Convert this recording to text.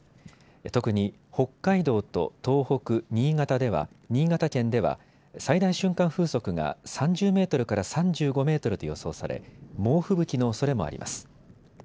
特に北海道と東北、新潟県では最大瞬間風速が３０メートルから３５メートルと予想され猛吹雪のおそれもあります。